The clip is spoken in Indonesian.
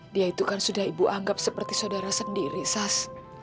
dia itu kan sudah ibu anggap seperti saudara sendiri sas